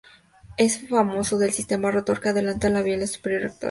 Es famoso el sistema rotor que adelanta la biela superior, respecto a la inferior.